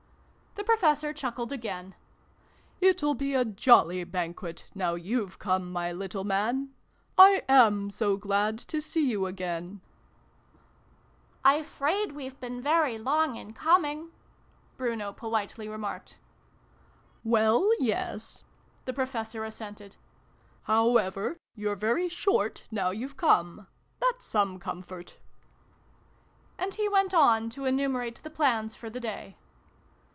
The Professor chuckled again. " It'll be a jolly Banquet, now you've come, my little man ! I am so glad to see you again !"" I 'fraid we've been very long in coming," Bruno politely remarked. " Well, yes," the Professor assented. " How ever, you're very short now you're come : that's some comfort." And he went on to enumerate the plans for the day.